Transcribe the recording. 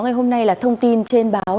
ngày hôm nay là thông tin trên báo